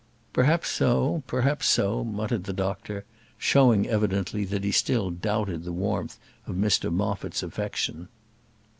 "Perhaps so, perhaps so," muttered the doctor, showing evidently that he still doubted the warmth of Mr Moffat's affection.